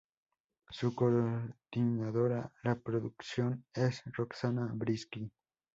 Su coordinadora de producción es Roxana Briski.